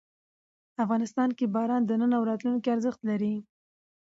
افغانستان کې باران د نن او راتلونکي ارزښت لري.